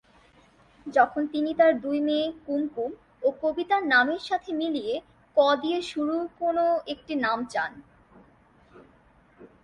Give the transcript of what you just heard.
তখন তিনি তার দুই মেয়ে কুমকুম ও কবিতার নামের সাথে মিলিয়ে "ক" দিয়ে শুরু কোন একটি নাম চান।